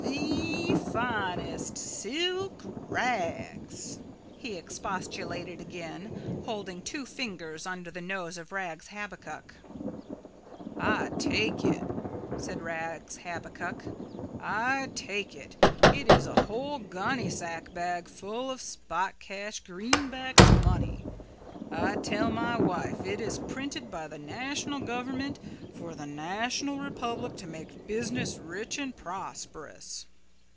"T h e f i n e s t s i l k r a g s," he expostulated again holding two fingers under the nose of Rags Habakuk. "I take it," said Rags Habakuk, "I take it. It is a whole gunnysack bag full of spot cash greenbacks money. I tell my wife it is printed by the national government for the national republic to make business rich and prosperous."